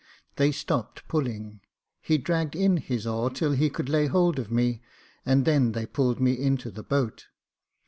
They stopped pulling ; he dragged in his oar till he could lay hold of me, and then they hauled me into the boat.